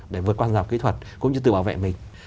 để vượt qua rào kỹ thuật cũng như tự bảo vệ mình